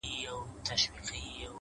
o پوهېږې په جنت کي به همداسي ليونی یم؛